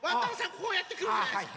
こうやってくるじゃないですか。